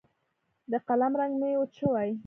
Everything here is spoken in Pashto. د قلم رنګ مې وچ شوی